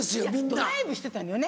ドライブしてたのよね